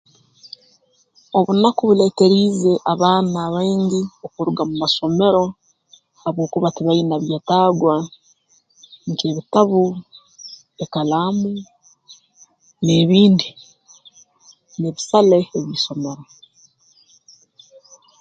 Obunaku buleeteriize abaana abaingi okuruga mu masomero habwokuba tibaine byetagwa nk'ebitabu ekalaamu n'ebindi n'ebisale eb'isomero